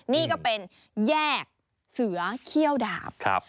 นี่ก็เป็นแยกเสือเขี้ยวดาบ